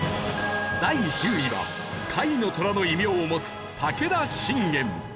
第１０位は甲斐の虎の異名を持つ武田信玄。